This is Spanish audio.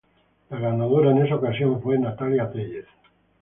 La ganadora en esa ocasión fue Natalia Tellez.